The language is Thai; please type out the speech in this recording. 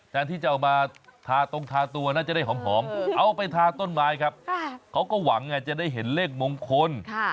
แทนที่จะเอามาทาตรงทาตัวน่าจะได้หอมเอาไปทาต้นไม้ครับเขาก็หวังไงจะได้เห็นเลขมงคล